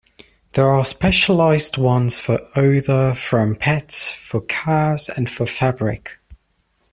There are specialized ones for odor from pets, for cars, and for fabric.